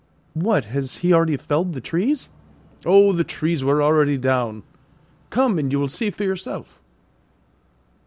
"What, has he already felled the trees?" "Oh, the trees were already down. Come, and you will see for yourself."